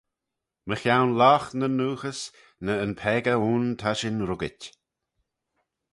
Mychione loght nyn ghooghys ny yn peccah ayn ta shin ruggit.